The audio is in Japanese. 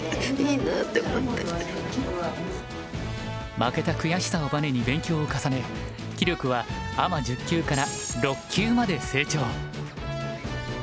負けた悔しさをバネに勉強を重ね棋力はアマ１０級から６級まで成長。